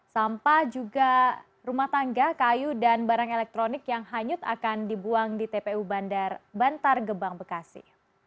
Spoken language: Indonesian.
sampah juga rumah tangga kayu dan barang elektronik yang hanyut akan dibuang di tpu bantar gebang bekasi